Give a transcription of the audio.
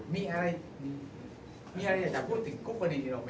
มีอะไรอยากจะพูดถึงพวกผู้เนดียวล่ะไหมคะ